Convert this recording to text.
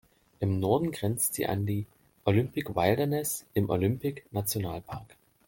Im Norden grenzt sie an die Olympic Wilderness im Olympic-Nationalpark.